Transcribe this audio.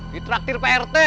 di traktir prt